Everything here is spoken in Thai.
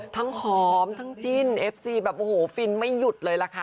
ทั้งหอมทั้งจิ้นแบบโอ้โหฟินไม่หยุดเลยล่ะค่ะ